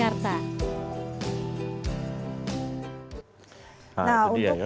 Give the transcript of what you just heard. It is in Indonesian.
orang orang mu time